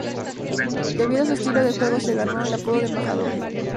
Debido a su estilo de juego, se ganó el apodo de "Embajador".